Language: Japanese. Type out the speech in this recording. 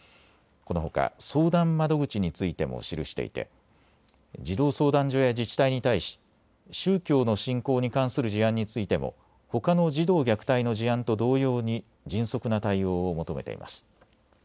このほか相談窓口についても記していて児童相談所や自治体に対し宗教の信仰に関する事案についてもほかの児童虐待の事案と同様に迅速な対応を求めています。